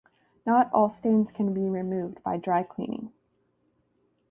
Not all stains can be removed by dry cleaning.